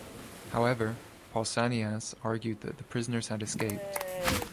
However, Pausanias argued that the prisoners had escaped.